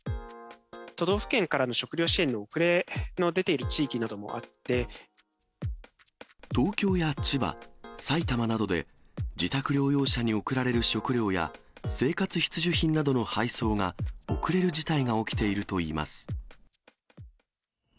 都道府県からの食料支援の遅東京や千葉、埼玉などで、自宅療養者に送られる食料や、生活必需品などの配送が遅れる事態が起きているといいます。